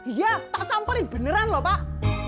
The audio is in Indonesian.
iya tak samperin beneran pak